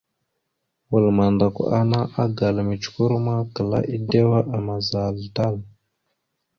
Wal mandakw ana agala mʉcəkœr ma klaa edewa amaza tal.